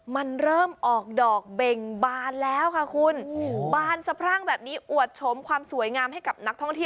มันเริ่มออกดอกเบ่งบานแล้วค่ะคุณบานสะพรั่งแบบนี้อวดชมความสวยงามให้กับนักท่องเที่ยว